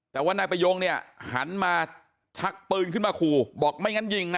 แต่ว่านายประยงเนี่ยหันมาชักปืนขึ้นมาขู่บอกไม่งั้นยิงนะ